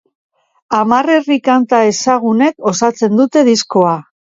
Hamar herri-kanta ezagunek osatzen dute diskoa.